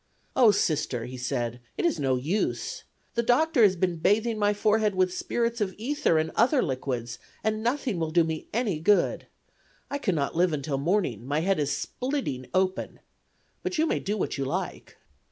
"Oh, Sister," he said, "it is no use. The doctor has been bathing my forehead with spirits of ether and other liquids, and nothing will do me any good. I cannot live until morning; my head is splitting open. But you may do what you like."